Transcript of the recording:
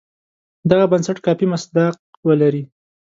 دغه بنسټ کافي مصداق ولري.